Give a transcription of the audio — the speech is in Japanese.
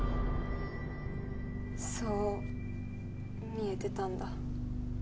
そう見えてたんだ。